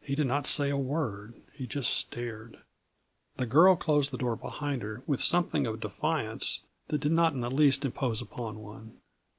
He did not say a word: he just stared. The girl closed the door behind her with something of defiance, that did not in the least impose upon one.